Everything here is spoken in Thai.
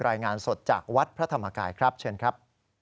รายงานสดจากวัดพระธรรมกายครับเชิญครับ